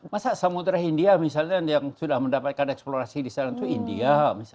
masa samudera india misalnya yang sudah mendapatkan eksplorasi di sana itu india